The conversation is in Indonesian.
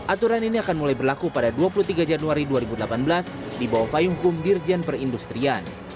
aturan ini akan mulai berlaku pada dua puluh tiga januari dua ribu delapan belas di bawah payung hukum dirjen perindustrian